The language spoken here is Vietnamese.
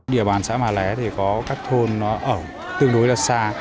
địa bàn xã mà lé thì có các thôn nó ở tương đối là xa